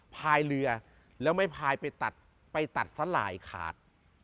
ภายเหลือไม่ภายไปตัดสลายขาด